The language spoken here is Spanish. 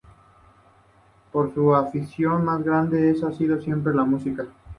Pero su afición más grande es y ha sido siempre la música.